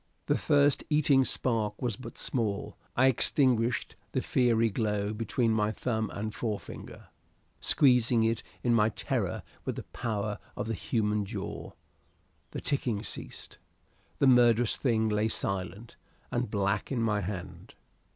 The first eating spark was but small; I extinguished the fiery glow between my thumb and forefinger, squeezing it in my terror with the power of the human jaw. The ticking ceased; the murderous thing lay silent and black in my hand.